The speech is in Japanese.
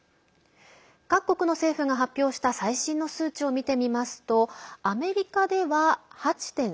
各国の政府が発表した最新の数値を見てみますとアメリカでは８．３％